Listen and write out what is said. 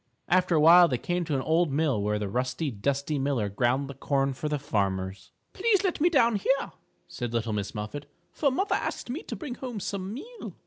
After a while they came to an old mill where the rusty, dusty miller ground the corn for the farmers. "Please let me down here," said little Miss Muffet, "for mother asked me to bring home some meal."